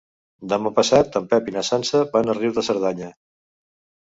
Demà passat en Pep i na Sança van a Riu de Cerdanya.